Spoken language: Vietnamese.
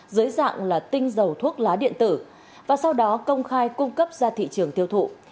dưới dạng là tinh dầu thuốc lá điện tử và sau đó công khai cung cấp ra thị trường tiêu thụ